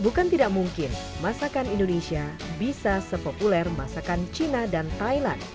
bukan tidak mungkin masakan indonesia bisa sepopuler masakan cina dan thailand